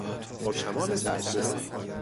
با کمال تعجب او